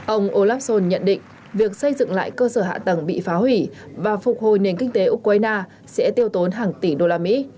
ông olaf scholz nhận định việc xây dựng lại cơ sở hạ tầng bị phá hủy và phục hồi nền kinh tế ukraine sẽ tiêu tốn hàng tỷ đô la mỹ